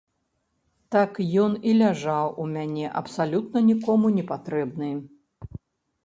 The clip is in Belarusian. Так ён і ляжаў у мяне, абсалютна нікому не патрэбны.